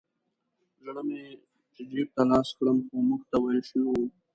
زړه مې و چې جیب ته لاس کړم خو موږ ته ویل شوي وو.